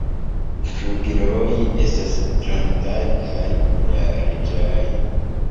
Flugiloj estas grandaj kaj larĝaj.